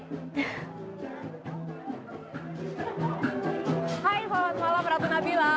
hai selamat malam ratu nabila